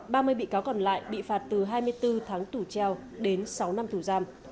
ba mươi bị cáo còn lại bị phạt từ hai mươi bốn tháng tù treo đến sáu năm tù giam